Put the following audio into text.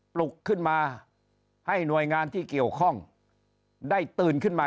ปลุกขึ้นมาให้หน่วยงานที่เกี่ยวข้องได้ตื่นขึ้นมา